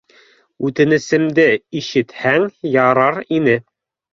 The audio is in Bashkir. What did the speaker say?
Үтенесемде ишетһәң ярар ине.